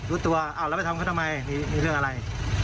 รู้ตัวอ้าวแล้วไปทำเขาทำไมมีเรื่องอะไร